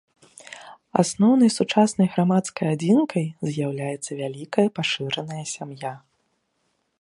Асноўнай сучаснай грамадскай адзінкай з'яўляецца вялікая пашыраная сям'я.